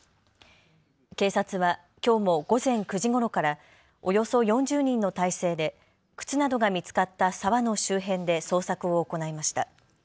警察はきょうも午前９時ごろからおよそ４０人の態勢で靴などが見つかった沢の周辺で捜索を行いました。